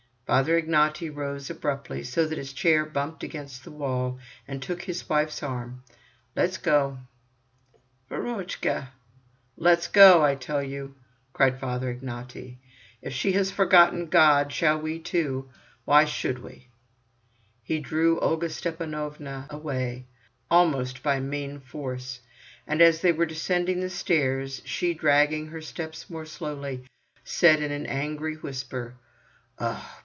Father Ignaty rose abruptly, so that his chair bumped against the wall, and took his wife's arm. "Let's go!" "Verochka!" "Let's go—I tell you," cried Father Ignaty. "If she has forgotten God, shall we too! Why should we!" He drew Olga Stepanovna away, almost by main force, and as they were descending the stairs, she, dragging her steps more slowly, said in an angry whisper: "Ugh!